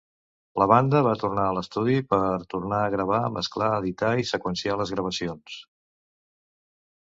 La banda va tornar a l'estudi per tornar a gravar, mesclar, editar i seqüenciar les gravacions.